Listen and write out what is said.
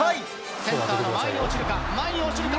センターの前に落ちるか、前に落ちるか。